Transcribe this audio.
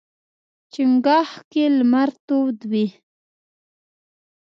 چنګاښ کې لمر تود وي.